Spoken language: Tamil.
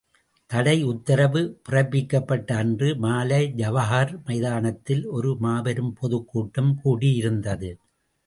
தடை உத்தரவு பிறப்பிக்கப்பட்ட அன்று மாலை ஜவஹர் மைதானத்தில் ஒரு மாபெரும் பொதுக் கூட்டம் கூடியிருந்தது.